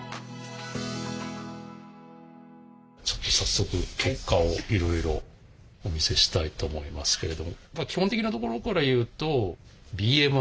ちょっと早速結果をいろいろお見せしたいと思いますけれど。